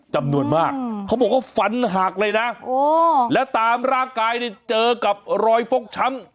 จำนวนมากเขาบอกว่าฟันหักเลยนะแล้วตามร่างกายนี่เจอกับรอยฟกช้ำ